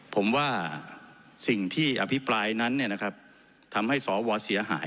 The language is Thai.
ผมว่าสิ่งที่อภิปรายนั้นเนี่ยนะครับทำให้สวเสียหาย